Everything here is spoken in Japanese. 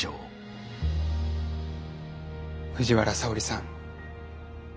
藤原沙織さん。